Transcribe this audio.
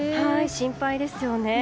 心配ですよね。